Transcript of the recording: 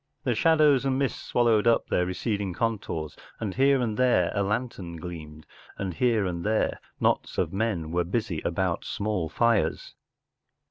The shadows and mists swallowed up their receding con¬ tours, and here and there a lantern gleamed, and here and there knots of men were busy about small fires.